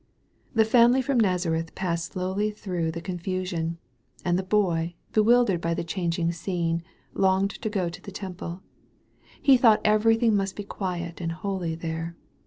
The family from Nazareth passed slowly through the confusion, and the Boy, bewildered by the changing scene, longed to get to the Temple. He thought everything must be quiet and holy there.